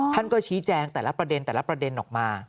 ท่านก็ชี้แจงแต่ละประเด็นแต่ละประเด็นออกมา